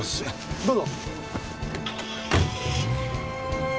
どうぞ。